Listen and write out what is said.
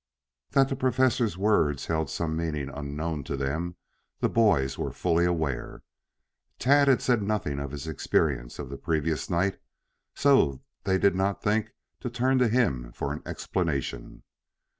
That the Professor's words held some meaning unknown to them the boys were fully aware. Tad had said nothing of his experiences of the previous night, so they did not think to turn to him for an explanation.